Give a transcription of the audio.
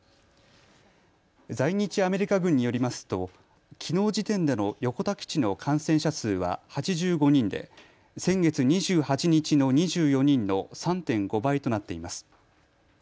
在日アメリカ軍によりますときのう時点での横田基地の感染者数は８５人で先月２８日の２４人の３．５倍となっています。